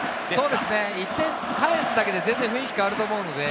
そうですね、１点返すだけで全然雰囲気が変わると思うので。